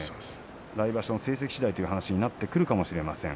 来場所の成績しだいという話になってくるかもしれません。